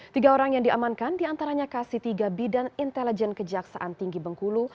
tiga orang yang diamankan diantaranya kc tiga bidan intelijen kejaksaan tinggi bengkulu